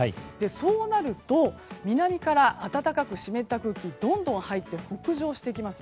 そうなると、南から暖かく湿った空気がどんどん入って北上してきます。